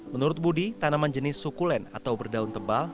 menurut budi tanaman jenis sukulen atau berdaun tebal